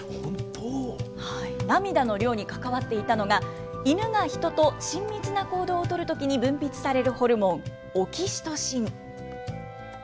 涙の量に関わっていたのが、イヌがヒトと親密な行動をとるときに分泌されるホルモン、オキシトシン。